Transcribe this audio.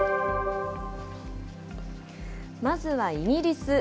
まずはイギリス。